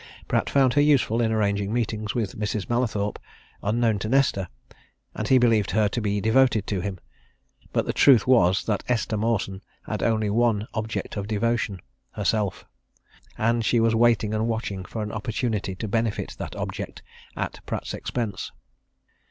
Pratt found her useful in arranging meetings with Mrs. Mallathorpe unknown to Nesta, and he believed her to be devoted to him. But the truth was that Esther Mawson had only one object of devotion herself and she was waiting and watching for an opportunity to benefit that object at Pratt's expense.